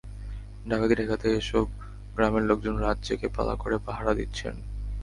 ডাকাতি ঠেকাতে এসব গ্রামের লোকজন রাত জেগে পালা করে পাহারা দিচ্ছেন।